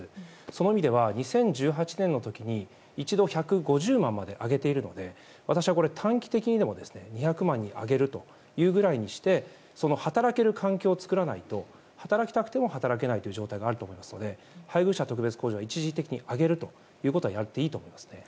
その意味では２０１８年の時に一度１５０万まで上げているので私は短期的にでも２００万に上げるというふうにして働ける環境を作らないと働きたくても働けないという状態があると思いますので配偶者特別控除は一時的に上げるということはやっていいと思いますね。